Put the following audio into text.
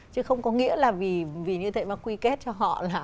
chứ không có nghĩa là vì như thế mà quy kết cho họ là